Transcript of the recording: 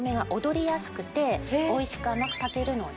おいしく甘く炊けるので。